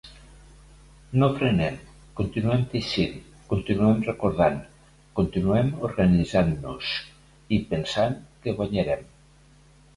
No frenem, continuem teixint, continuem recordant, continuem organitzant-nos i pensant que guanyarem!